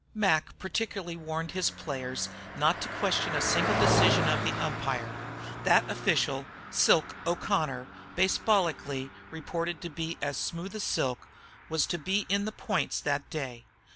Mac particularly warned his players not to question a single decision of the umpire. That official, "Silk" O'Connor, base ballically reported to be as smooth as silk, was to be in the points that day.